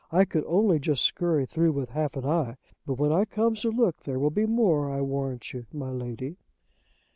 "I could only just scurry through with half an eye; but when I comes to look there will be more, I warrant you, my Lady."